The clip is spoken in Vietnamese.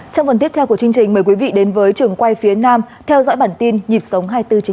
trong phần tiếp theo của chương trình mời quý vị đến với trường quay phía nam theo dõi bản tin nhịp sống hai nghìn bốn trăm chín mươi bảy